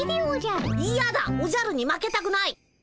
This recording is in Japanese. いやだおじゃるに負けたくない。